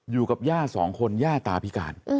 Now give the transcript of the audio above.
อยู่กับย่าสองคนย่าตาพิการ